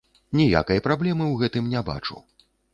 Ніякай праблемы ў гэтым не бачу.